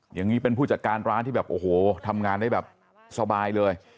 อย่างนี้เป็นผู้จัดการร้านที่แบบโอ้โหทำงานได้แบบสบายเลย